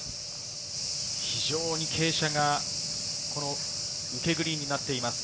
非常に傾斜が受けグリーンになっています。